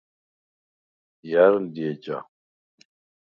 ჲა̈რ ლი ეჯა?